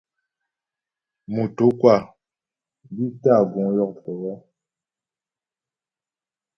Motǒkwâ bi tâ guŋ yókpə.